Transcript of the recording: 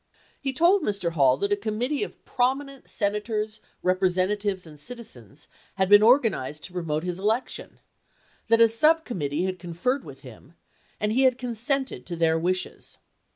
He told Mr. Hall that a committee of prominent Senators, Represent atives and citizens had been organized to promote his election; that a sub committee had conferred with him, and he had consented to their wishes.